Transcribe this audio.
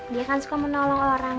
dia kan suka menolong orang